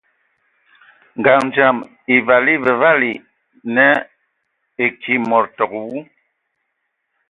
Ngaɲ dzam e vali evǝvali nen, eki mod te woe,